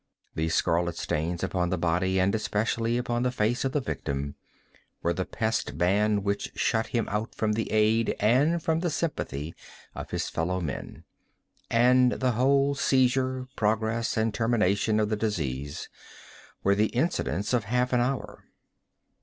The scarlet stains upon the body and especially upon the face of the victim, were the pest ban which shut him out from the aid and from the sympathy of his fellow men. And the whole seizure, progress and termination of the disease, were the incidents of half an hour.